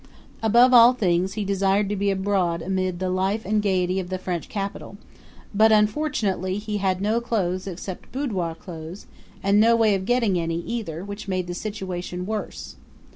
Above all things he desired to be abroad amid the life and gayety of the French capital; but unfortunately he had no clothes except boudoir clothes, and no way of getting any, either, Which made the situation worse.